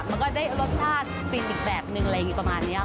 มันก็ได้รสชาติฟินอีกแบบนึงอะไรอย่างนี้ประมาณนี้ค่ะ